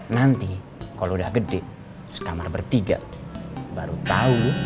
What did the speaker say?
nanti kalo udah gede sekamar bertiga baru tau